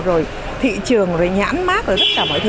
rồi thị trường rồi nhãn mát ở tất cả mọi thứ